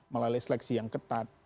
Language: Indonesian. melalui seleksi yang ketat